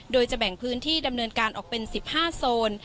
โดยจะแบ่งพื้นที่ดำเนินการออกเป็น๑๕โซน